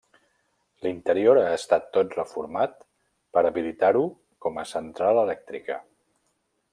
L'interior ha estat tot reformat per habilitar-ho com a central elèctrica.